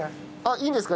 いいんですか？